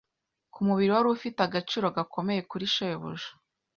kumubiri wari ufite agaciro gakomeye kuri shebuja